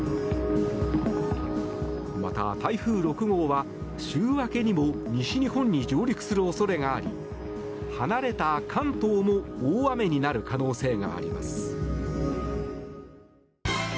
また、台風６号は週明けにも西日本に上陸する恐れがあり離れた関東も大雨になる可能性があります。